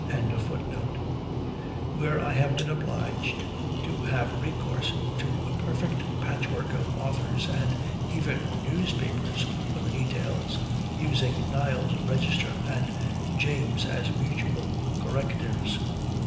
] where I have been obliged to have recourse to a perfect patchwork of authors and even newspapers, for the details, using Niles' Register and James as mutual correctives.